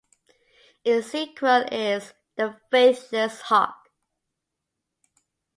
Its sequel is "The Faithless Hawk".